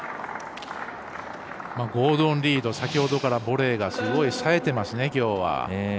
ゴードン・リード先ほどからボレーがさえてますね、きょうは。